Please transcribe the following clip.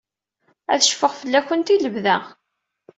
Ad cfuɣ fell-awent i lebda.